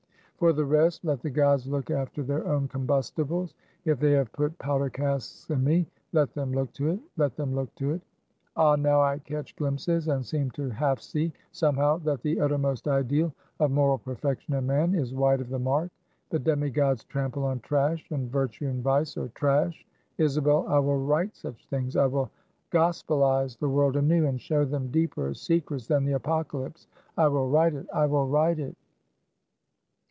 For the rest, let the gods look after their own combustibles. If they have put powder casks in me let them look to it! let them look to it! Ah! now I catch glimpses, and seem to half see, somehow, that the uttermost ideal of moral perfection in man is wide of the mark. The demigods trample on trash, and Virtue and Vice are trash! Isabel, I will write such things I will gospelize the world anew, and show them deeper secrets than the Apocalypse! I will write it, I will write it!"